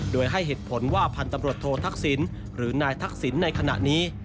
โดยให้เหตุผลว่าพันธุ์ตำรวจโทษทักษิณหรือนายทักษิณในขณะนี้